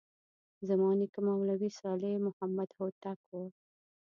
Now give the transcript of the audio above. زما نیکه مولوي صالح محمد هوتک و.